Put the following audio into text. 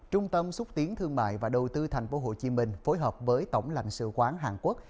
trung tâm xúc tiến thương mại và đầu tư tp hcm phối hợp với tổng lãnh sự quán hàn quốc